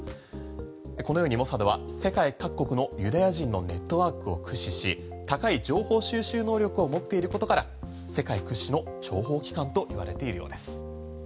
このようにモサドは世界各国のユダヤ人のネットワークを駆使し高い情報収集能力を持っていることから世界屈指の諜報機関といわれているようです。